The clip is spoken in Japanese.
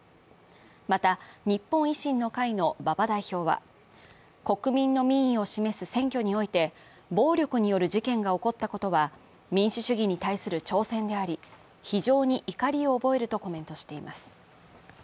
また日本維新の会の馬場代表は国民の民意を示す選挙において、暴力による事件が起こったことは民主主義に対する挑戦であり、非常に怒りを覚えるとコメントしています。